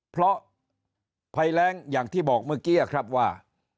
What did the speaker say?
เพราะภัยแรงอย่างที่บอกเมื่อกี้ครับว่า